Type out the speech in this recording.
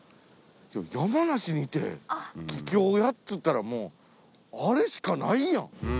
山梨にいて桔梗屋っつったらもうあれしかないやん。